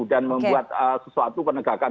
dan membuat sesuatu penegakan